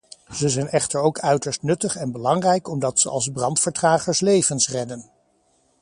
Ze zijn echter ook uiterst nuttig en belangrijk omdat ze als brandvertragers levens redden.